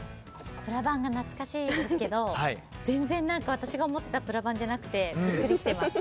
プラバンが懐かしいですけど全然私が思ってたプラバンじゃなくてビックリしてます。